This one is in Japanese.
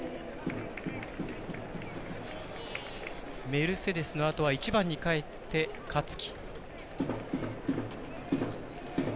メルセデスのあとは１番にかえって香月。